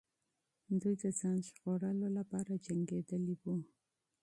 دوی د ځان ژغورلو لپاره جنګېدلې وو.